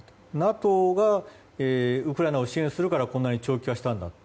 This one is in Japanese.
ＮＡＴＯがウクライナを支援するからこんなに長期化したんだと。